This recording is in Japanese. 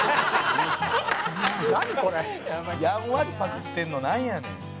「やんわりパクってるのなんやねん」